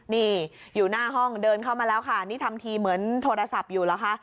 นี่อยู่หน้าห้องเดินเข้ามาแล้วค่ะนี่ทำทีเหมือนโทรศัพท์อยู่เหรอคะ